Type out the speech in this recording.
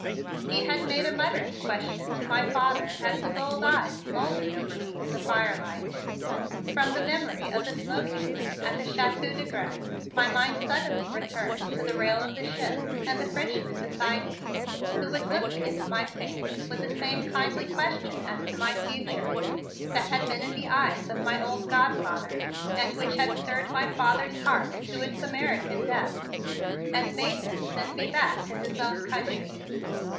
he had made a muttering question to my father as his old eyes smouldered over me in the fire light. From the memory of the smoking room at the Chateau de Grez my mind suddenly returned to the rail of the ship and the Frenchman beside me, who was looking into my face with the same kindly question as to my future that had been in the eyes of my old godfather and which had stirred my father's heart to its American depths and made him send me back to his own country.